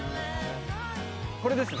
これですね。